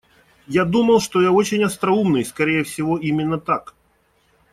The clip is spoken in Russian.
Я думал, что я очень остроумный, скорее всего, именно так.